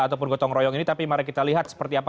ataupun gotong royong ini tapi mari kita lihat seperti apa